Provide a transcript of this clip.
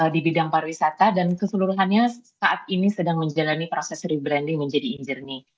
di bidang pariwisata dan keseluruhannya saat ini sedang menjalani proses rebranding menjadi injernie